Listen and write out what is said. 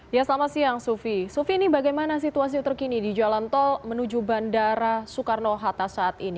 ya selamat siang sufi sufi ini bagaimana situasi terkini di jalan tol menuju bandara soekarno hatta saat ini